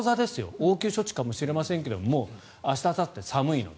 応急処置かもしれませんので明日、あさって寒いので。